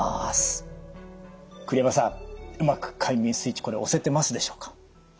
栗山さんうまく快眠スイッチこれ押せてますでしょうか？